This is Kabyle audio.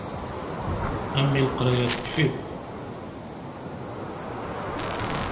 A mmi leqraya tekfiḍ.